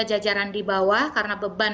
jajaran di bawah karena beban